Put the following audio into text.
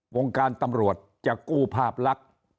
วงการตำรวจจะกู้ภาพลักษณ์